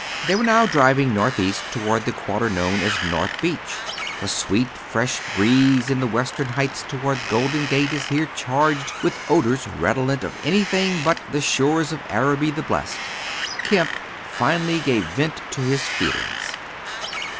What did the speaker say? They were now driving northeast toward the quarter known as North Beach. The sweet, fresh breeze in the western heights toward Golden Gate is here charged with odors redolent of anything but the "shores of Araby the blest." Kemp finally gave vent to his feelings.